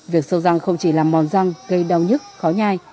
việc sâu răng không chỉ làm mòn răng gây đau nhức khó nhai